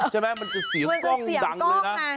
ใช่ไหมมันจะเสียงก้องดังเลยนะ